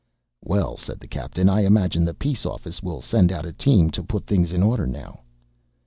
"Well," said the Captain. "I imagine the Peace Office will send out a team to put things in order now."